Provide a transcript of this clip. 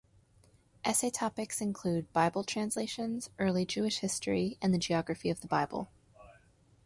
Essay topics include Bible translations, early Jewish history and the geography of the Bible.